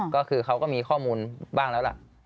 ก็คือเขาก็มีข้อมูลบ้างแล้วล่ะ